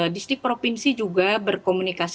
distrik provinsi juga berkomunikasi